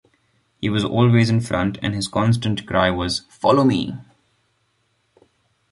He was always in front, and his constant cry was Follow me!